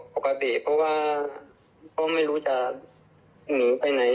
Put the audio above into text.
ปกติเพราะว่าก็ไม่รู้จะหนีไปไหน